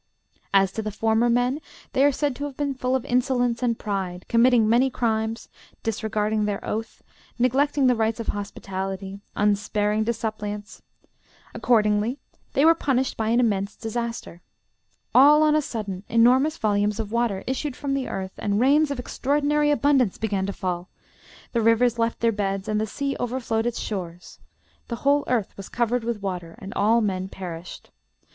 As to the former men, they are said to have been full of insolence and pride, committing many crimes, disregarding their oath, neglecting the rights of hospitality, unsparing to suppliants; accordingly, they were punished by an immense disaster. All on a sudden enormous volumes of water issued from the earth, and rains of extraordinary abundance began to fall; the rivers left their beds, and the sea overflowed its shores; the whole earth was covered with water, and all men perished.